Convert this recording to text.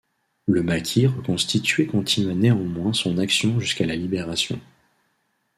Le maquis reconstitué continua néanmoins son action jusqu'à la Libération.